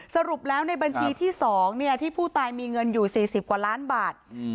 สรุปแล้วในบัญชีที่สองเนี้ยที่ผู้ตายมีเงินอยู่สี่สิบกว่าล้านบาทอืม